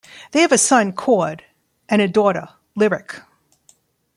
They have a son, Chord, and a daughter, Lyric.